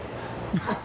ハハハ！